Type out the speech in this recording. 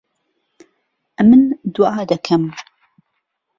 ئهمن دوعا دهکهم